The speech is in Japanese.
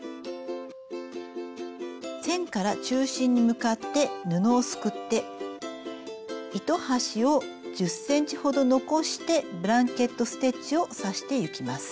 線から中心に向かって布をすくって糸端を１０ｃｍほど残してブランケット・ステッチを刺していきます。